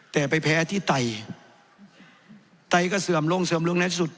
แต่ไปแพ้ที่ไตก็เสื่อมลงเสื่อมลงในสุด